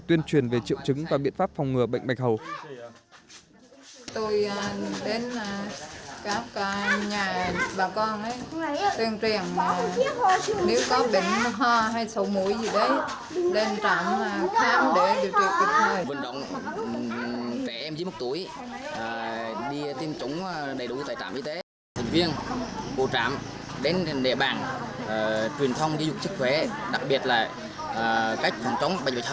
tuyên truyền về triệu chứng và biện pháp phòng ngừa bệnh bạch hầu